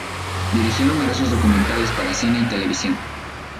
Dirigió numerosos documentales para cine y televisión.